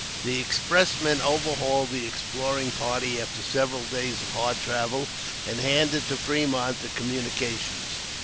The expressmen overhauled the exploring party after several days of hard travel and handed to Fremont the communications.